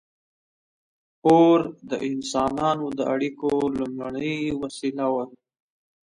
• اور د انسانانو د اړیکو لومړنۍ وسیله وه.